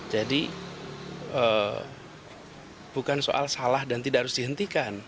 jadi bukan soal salah dan tidak harus dihentikan